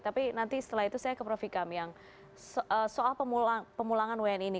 tapi nanti setelah itu saya ke prof ikam yang soal pemulangan wni ini